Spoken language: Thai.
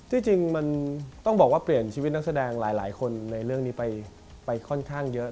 ที่จริงมันต้องบอกว่าเปลี่ยนชีวิตนักแสดงหลายคนในเรื่องนี้ไปค่อนข้างเยอะ